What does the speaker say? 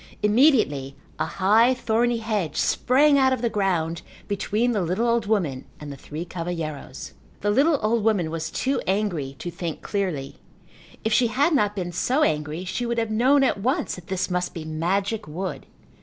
Immediately a high, thorny hedge sprang out of the ground between the little old woman and the three cavalheiros. The little old woman was too angry to think clearly. If she had not been so angry she would have known at once that this must be magic wood.